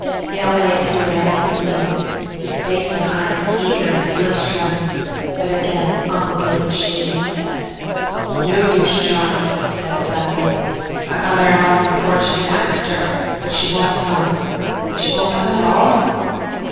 Hale waited and ran down to meet him, his face and eyes eager and his lips trembling, but again Uncle Billy was shaking his head. "No use, John," he said sadly. "I got her out on the porch and axed her, but she won't come." "She won't come at all?"